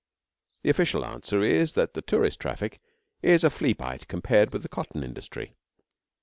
The official answer is that the tourist traffic is a flea bite compared with the cotton industry.